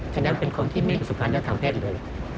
ฉะนั้นเป็นคนที่ไม่สุขภัณฑ์ในข้างเพศเลย